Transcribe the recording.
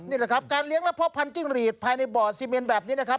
นี่แหละครับการเลี้ยงและพ่อพันธิ้งหลีดภายในบ่อซีเมนแบบนี้นะครับ